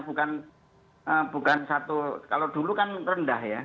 bukan satu kalau dulu kan rendah ya